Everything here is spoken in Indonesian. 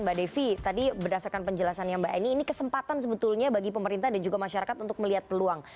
mbak devi tadi berdasarkan penjelasannya mbak eni ini kesempatan sebetulnya bagi pemerintah dan juga masyarakat untuk melihat peluang